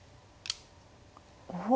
おっ。